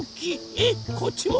えっこっちも。